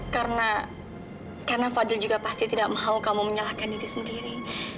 karena karena fadil juga pasti tidak mau kamu menyalahkan diri sendiri